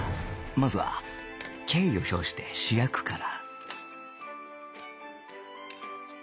まずは敬意を表して主役から